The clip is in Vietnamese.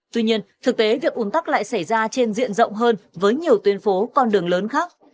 tuy nhiên thực tế việc ủn tắc lại xảy ra trên diện rộng hơn với nhiều tuyến phố con đường lớn khác